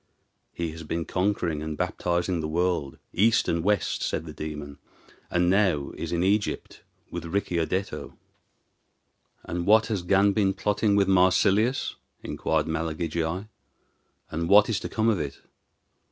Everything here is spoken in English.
"He has been conquering and baptizing the world, east and west," said the demon, "and is now in Egypt with Ricciardetto." "And what has Gan been plotting with Marsilius?" inquired Malagigi; "and what is to come of it?"